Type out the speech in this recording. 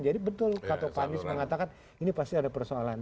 jadi betul kato panis mengatakan ini pasti ada persoalan